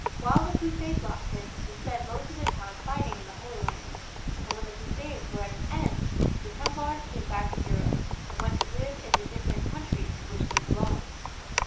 While the Crusades lasted, they spent most of their time fighting in the Holy Land, and when the Crusades were at an end the Templars came back to Europe, and went to live in the different countries to which they belonged.